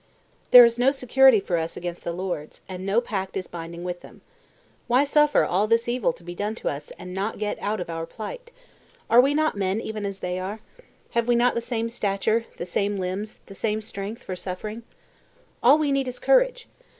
There is no security for us against the lords; and no pact is binding with them. Why suffer all this evil to be done to us and not get out of our plight? Are we not men even as they are? Have we not the same stature, the same limbs, the same strength for suffering? All we need is courage.